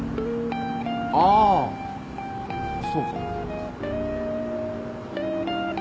ああそうか。